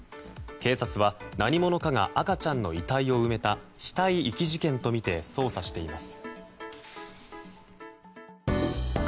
警察は何者かが赤ちゃんの遺体を埋めた死体遺棄事件とみて捜査しています。